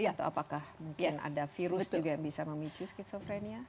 atau apakah mungkin ada virus juga yang bisa memicu skizofrenia